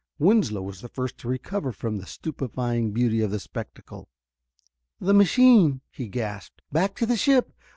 Winslow was the first to recover from the stupefying beauty of the spectacle. "The machine!" he gasped. "Back to the ship!